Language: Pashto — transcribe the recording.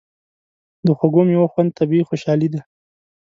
د خوږو میوو خوند طبیعي خوشالي ده.